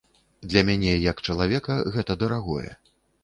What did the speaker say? Для мяне як чалавека гэта дарагое.